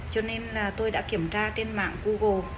cho nên là tôi đã kiểm tra trên mạng google